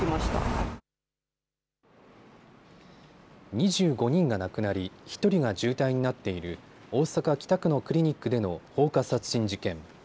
２５人が亡くなり１人が重体になっている大阪北区のクリニックでの放火殺人事件。